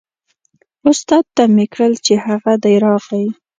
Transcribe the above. استاد ته مې کړل چې هغه دی راغی.